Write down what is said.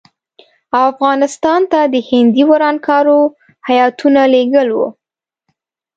او افغانستان ته د هندي ورانکارو هیاتونه لېږل وو.